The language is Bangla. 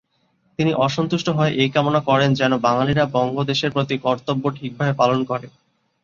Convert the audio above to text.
তিনি অসন্তুষ্ট হয়ে এই কামনা করেন যেন বাঙালিরা বঙ্গদেশের প্রতি কর্তব্য ঠিকভাবে পালন করে।